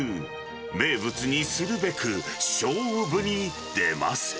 名物にするべく、勝負に出ます。